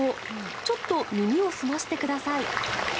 ちょっと耳を澄ましてください。